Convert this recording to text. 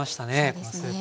このスープ。